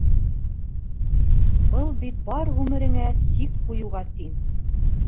Был бит бар ғүмереңә сик ҡуйыуға тиң.